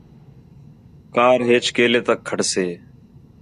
کار ھیچ کیلے تک کھڑسے؟